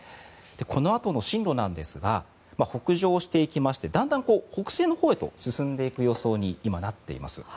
このあとの進路なんですが北上していきましてだんだん北西のほうへと進んでいく予想になっています。